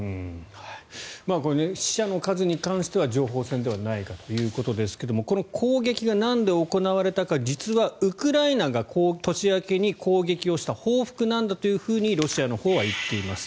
死者の数に関しては情報戦ではないかということですがこの攻撃がなんで行われたか実はウクライナが年明けに攻撃をした報復なんだというふうにロシアのほうは言っています。